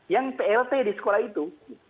yang plt di sekolah itu